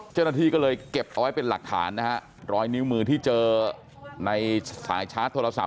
เจ้าหน้าที่ก็เลยเก็บเอาไว้เป็นหลักฐานนะฮะรอยนิ้วมือที่เจอในสายชาร์จโทรศัพ